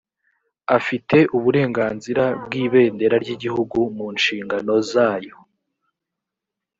afite uburenganzira bw’ibendera ry’igihugu mu nshingano zayo